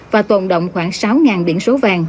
và tồn động khoảng sáu biển số vàng